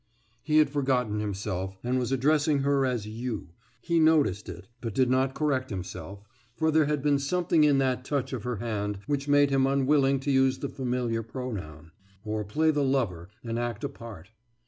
« He had forgotten himself and was addressing her as you; he noticed it, but did not correct himself, for there had been something in that touch of her hand which made him unwilling to use the familiar pronoun, or play the lover and act a part.